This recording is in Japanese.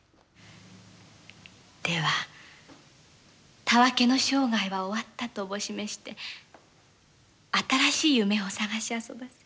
では、たわけの生涯は終わったとおぼし召して新しい夢を探しあそばせ。